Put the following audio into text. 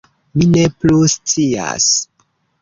- Mi ne plu scias